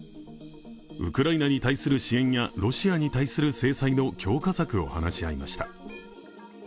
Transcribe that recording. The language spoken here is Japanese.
ウクライナに対する支援やロシアに対する制裁の強化策を話し合いました。